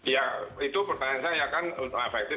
ya itu pertanyaan saya kan untuk efektif